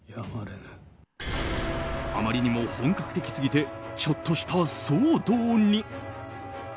あまりにも本格的すぎてちょっとした騒動に。